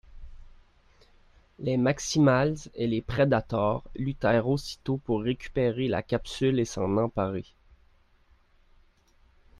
Les maximals et les prédators luttèrent aussitôt pour récupérer la capsule et s'en emparer.